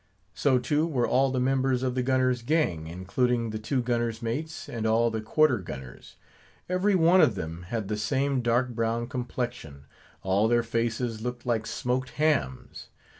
So, too, were all the members of the gunner's gang; including the two gunner's mates, and all the quarter gunners. Every one of them had the same dark brown complexion; all their faces looked like smoked hams.